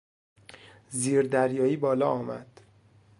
زیردریایی بالا آمد.